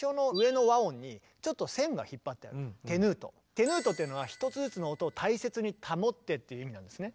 テヌートっていうのは「１つずつの音を大切に保って」っていう意味なんですね。